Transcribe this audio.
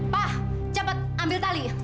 pak cepat ambil tali